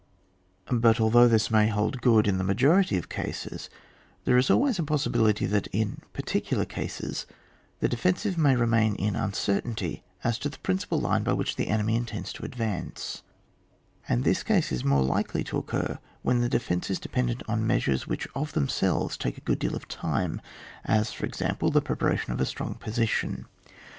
But although this may hold good in the majority of cases, there is always a possibility that, in particular cases, the defensive may remain in uncertainty as to the principal line by which the enemy intends to advance ; and this case is more likely to occur when the defence is de pendent on measures which of themselves take a good deal of time, as for example, the preparation of a strong position.